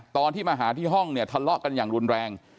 ตอนที่มาหาที่ห้องเนี่ยทะเลาะกันอย่างรุนแรง